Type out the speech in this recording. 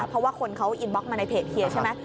เพราะว่าคนเขาอินบล็อกมาในเพจเฮียใช่ไหม